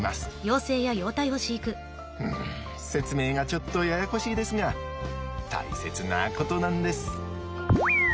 うん説明がちょっとややこしいですが大切なことなんです。